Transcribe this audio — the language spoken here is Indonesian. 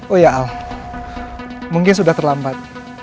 oh ya al mungkin sudah terlambat